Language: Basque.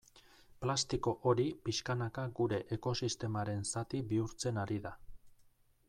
Plastiko hori pixkanaka gure ekosistemaren zati bihurtzen ari da.